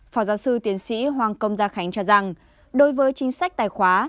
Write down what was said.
phó giáo sư tiến sĩ hoàng công gia khánh cho rằng đối với chính sách tài khóa